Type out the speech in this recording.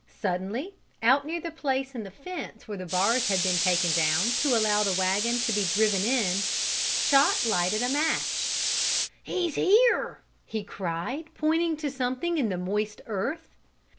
Suddenly, out near the place in the fence where the bars had been taken down, to allow the wagon to be driven in, Chot lighted a match. "He's been here!" he cried, pointing to something in the moist earth.